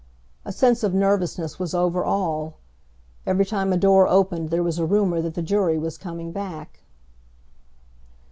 A sense of nervousness was over all. Every time a door opened there was a rumor that the jury was coming back.